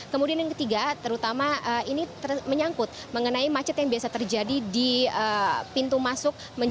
kemudian yang ketiga terutama ini menyangkut mengenai macet yang biasa terjadi di pintu masuk